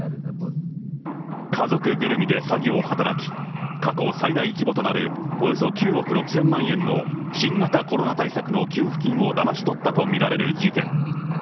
家族ぐるみで詐欺を働き、過去最大規模となるおよそ９億６０００万円の新型コロナ対策の給付金をだまし取ったと見られる事件。